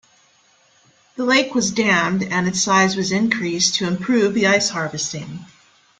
The lake was dammed and its size was increased to improve the ice harvesting.